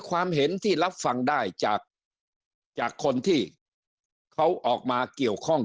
ความเห็นที่รับฟังได้จากคนที่เขาออกมาเกี่ยวข้อง